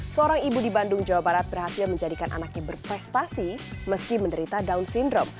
seorang ibu di bandung jawa barat berhasil menjadikan anaknya berprestasi meski menderita down syndrome